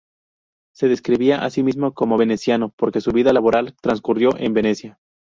Se describía a sí mismo como "veneciano" porque su vida laboral transcurrió en Venecia.